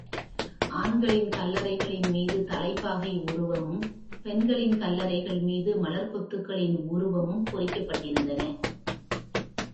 ஆண்களின் கல்லறைகளின் மீது தலைப்பாகை உருவமும் பெண்களின் கல்லறைகள் மீது மலர்க் கொத்துகளின் உருவமும் பொறிக்கப் பட்டிருந்தன.